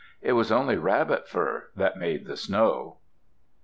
It was only rabbit fur that made the snow.